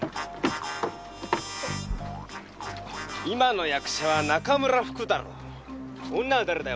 今の役者は中村福太郎だ。